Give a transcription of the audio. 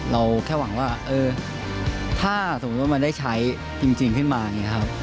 เราแค่หวังว่าถ้าสมมุติว่ามันได้ใช้จริงขึ้นมา